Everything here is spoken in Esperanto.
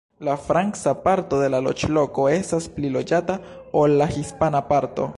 La franca parto de la loĝloko estas pli loĝata ol la hispana parto.